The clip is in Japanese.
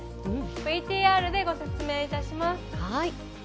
ＶＴＲでご説明いたします。